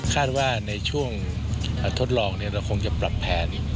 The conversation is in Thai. คาดว่าในช่วงทดลองเราคงจะปรับแผน